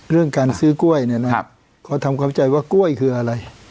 เรื่องการซื้อกล้วยเนี่ยนะครับเขาทำความเข้าใจว่ากล้วยคืออะไร